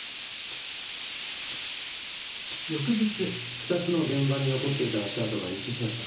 ２つの現場に残っていた足跡が一致しました。